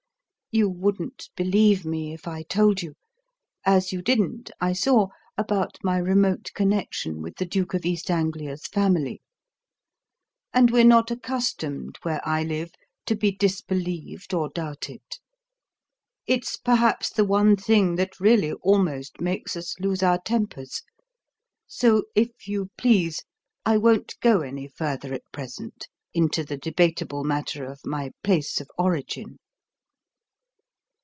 You wouldn't believe me, if I told you as you didn't, I saw, about my remote connection with the Duke of East Anglia's family. And we're not accustomed, where I live, to be disbelieved or doubted. It's perhaps the one thing that really almost makes us lose our tempers. So, if you please, I won't go any further at present into the debatable matter of my place of origin."